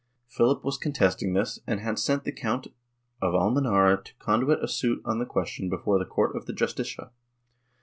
Philip was contesting this and had sent the Count of Almenara to conduct a suit on the question before the court of the Justicia.